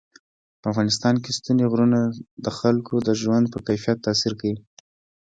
په افغانستان کې ستوني غرونه د خلکو د ژوند په کیفیت تاثیر کوي.